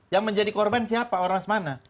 yang menjadi korban siapa ormas mana